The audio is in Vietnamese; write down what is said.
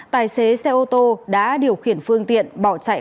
tài xế xe ô tô đã điều khiển phương tiện bỏ chạy